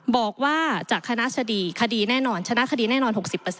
บอกว่าจากคณะสดีคดีแน่นอนชนะคดีแน่นอน๖๐